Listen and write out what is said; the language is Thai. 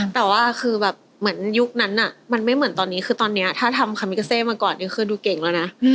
แต่ว่าคือแบบเหมือนยุคนั้นมันไม่เหมือนตอนนี้คือตอนนี้ถ้าทำคามิกาเซมาก่อนนี่คือดูเก่งแล้วนะ